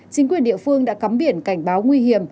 chính quyền địa phương đã cắm biển cảnh báo nguy hiểm